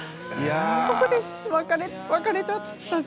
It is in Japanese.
ここで別れちゃったし。